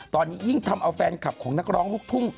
ตอนนี้ยิ่งทำเอาแฟนคลับของนักร้องลูกทุ่ง